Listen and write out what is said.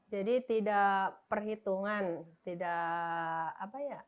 jadi tidak perhitungan tidak apa ya